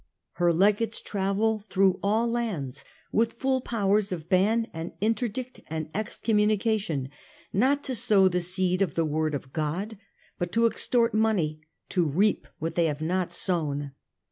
Her Legates travel through all lands, with full powers of ban and interdict and excommunication, not to sow the seed of the Word of God, but to extort money, to reap what they have not sown.